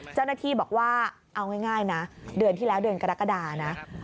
เจ้าหน้าที่บอกว่าเอาง่ายนะเดือนที่แล้วเดือนกรกฎานะ